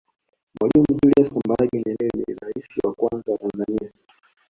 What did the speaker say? mwalimu julias kambarage nyerere ni raisi wa kwanza wa tanzania